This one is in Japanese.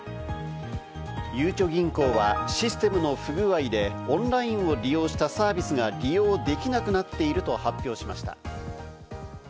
ゆうちょ銀行はシステムの不具合でオンラインを利用したサービスが利用できなくなっていると発表しました。